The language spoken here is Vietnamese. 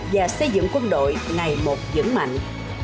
và xây dựng quân đội ngày một dững mạnh